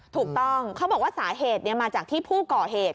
ถูกต้องเขาบอกว่าสาเหตุมาจากที่ผู้ก่อเหตุ